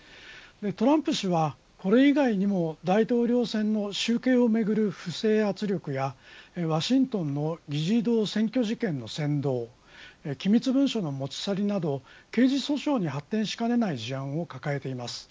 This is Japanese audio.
トランプ氏は、これ以外にも大統領選の集計をめぐる不正圧力やワシントンの議事堂占拠事件の先導機密文書の持ち去りなど刑事訴訟に発展しかねない事案を抱えています。